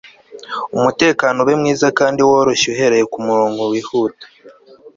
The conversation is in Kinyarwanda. umutekano ube mwiza kandi woroshye uhereye kumurongo wihuta